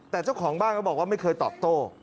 แต่เจ้าของบ้านก็บอกว่าไม่เคยตอบโต้